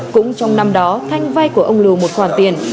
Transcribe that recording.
cũng trong năm đó thanh vay của ông lù một khoản tiền